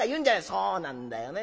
「そうなんだよね。